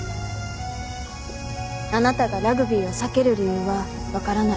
あなたがラグビーを避ける理由は分からない。